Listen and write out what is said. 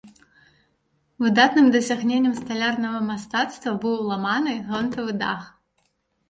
Выдатным дасягненнем сталярнага мастацтва быў ламаны гонтавы дах.